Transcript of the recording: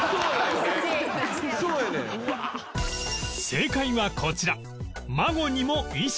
正解はこちら